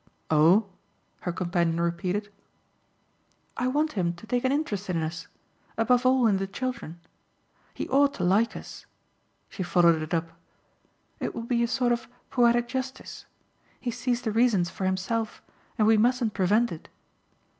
"Oh!" her companion repeated. "I want him to take an interest in us. Above all in the children. He ought to like us" she followed it up. "It will be a sort of 'poetic justice.' He sees the reasons for himself and we mustn't prevent it."